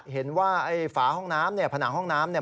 เห็นว่าไอ้ฝาห้องน้ำเนี่ยผนังห้องน้ำเนี่ย